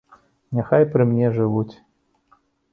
Няхай пры мне жывуць.